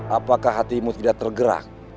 apakah hatimu tidak tergerak